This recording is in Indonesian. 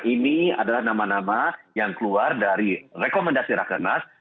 ini adalah nama nama yang keluar dari rekomendasi rakernas